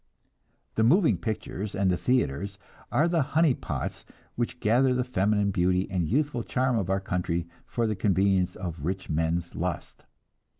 The moving pictures and the theatres are the honey pots which gather the feminine beauty and youthful charm of our country for the convenience of rich men's lust.